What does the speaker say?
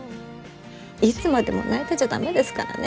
いつまでも泣いてちゃ駄目ですからね。